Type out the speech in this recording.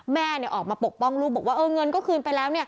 แม่ออกมาปกป้องลูกบอกว่าเงินก็คืนไปแล้ว